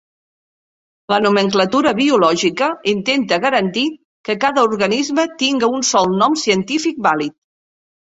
La nomenclatura biològica intenta garantir que cada organisme tingui un sol nom científic vàlid.